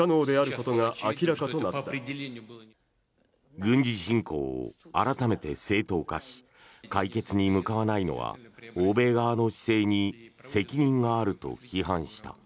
軍事侵攻を改めて正当化し解決に向かわないのは欧米側の姿勢に責任があると批判した。